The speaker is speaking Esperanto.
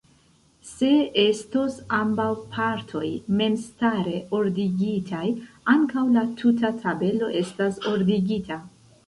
Se estos ambaŭ partoj memstare ordigitaj, ankaŭ la tuta tabelo estas ordigita.